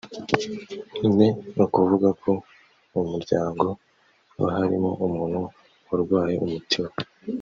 ni ukuvuga ko mu muryango haba harimo umuntu warwaye umutima